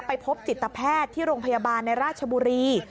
พบจิตแพทย์ที่โรงพยาบาลในราชบุรี